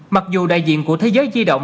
mặc dù đại diện của thế giới duy động